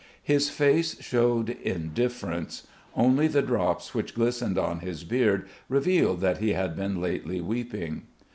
His face showed indifference; only the drops which glistened on his beard revealed that he had been lately weeping.